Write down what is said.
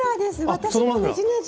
私のねじねじ！